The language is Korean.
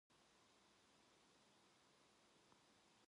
기숙사 큰문 위에 환하게 켜놓은 전등 불빛이 그의 온몸을 분명히 나타내 준다.